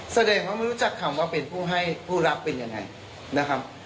แสดงว่าไม่รู้จักคำว่าเป็นผู้ให้ผู้รับเป็นยังไงนะครับ